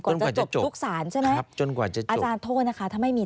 ก่อนจะจบลูกศาลใช่ไหม